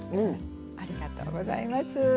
ありがとうございます。